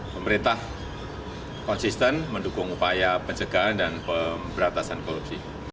pemerintah konsisten mendukung upaya pencegahan dan pemberantasan korupsi